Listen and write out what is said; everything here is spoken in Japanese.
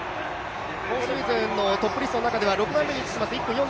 今シーズンのトップリストの中には６番目に位置します